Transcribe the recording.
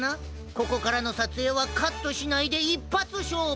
ここからのさつえいはカットしないでいっぱつしょうぶ！